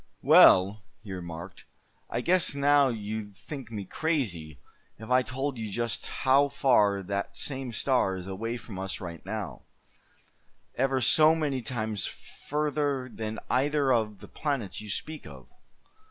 "Well," he remarked, "I guess now you'd think me crazy if I told you just how far that same star is away from us right now, ever so many times further than either of the planets you speak of.